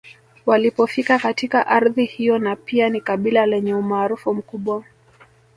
Walipofika katika ardhi hiyo na pia ni kabila lenye umaarufu mkubwa